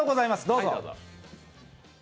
どうぞ。